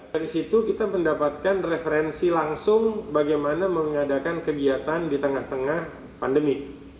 dari situ kita mendapatkan referensi langsung bagaimana mengadakan kegiatan di tengah tengah pandemi